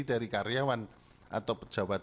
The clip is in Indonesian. dari karyawan atau pejabat